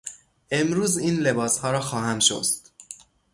امروز این لباسها را خواهم شست.